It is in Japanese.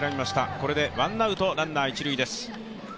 これでワンアウトランナーは一塁です。